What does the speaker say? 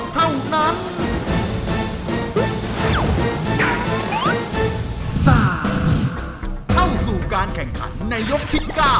จะร้องให้สุดทำ